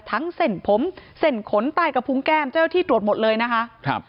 เส้นผมเส้นขนใต้กระพุงแก้มเจ้าหน้าที่ตรวจหมดเลยนะคะครับ